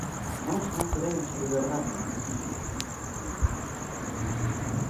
-Nós non queremos a liberdade!